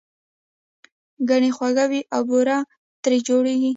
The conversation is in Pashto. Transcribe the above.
ګنی خوږ وي او بوره ترې جوړیږي